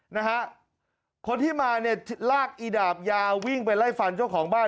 นะฮะคนที่มาเนี่ยลากอีดาบยาวิ่งไปไล่ฟันเจ้าของบ้าน